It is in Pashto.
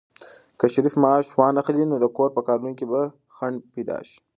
که شریف معاش وانخلي، نو د کور په کارونو کې به خنډ پيدا شي.